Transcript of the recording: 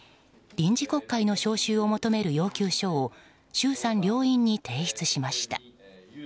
臨時国会の召集を求める要求書を衆参両院に提出しました。